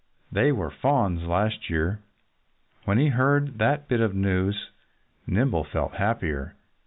They were fawns last year." When he heard that bit of news Nimble felt happier.